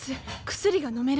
薬がのめる！